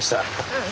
うん。